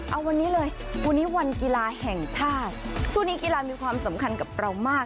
เอาวันนี้เลยวันนี้วันกีฬาแห่งชาติช่วงนี้กีฬามีความสำคัญกับเรามาก